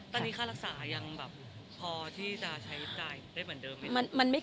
ตอนนี้ค่ารักษายังแบบพอที่จะใช้จ่ายได้เหมือนเดิมไหม